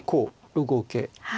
６五桂。